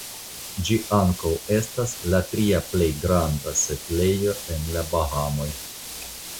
Ĝi ankaŭ estas la tria plej granda setlejo en la Bahamoj.